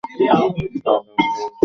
পা বাদামি-লালচে।